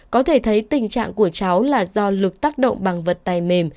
có thể thấy tình trạng của cháu là do lực tác động bằng vật tay mềm